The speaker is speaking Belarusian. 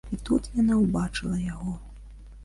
І тут яна ўбачыла яго.